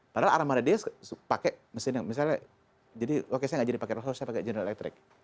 padahal armada diaz pakai mesin yang misalnya jadi oke saya tidak jadi pakai rolls royce saya pakai general electric